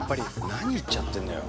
何言っちゃってんのよ。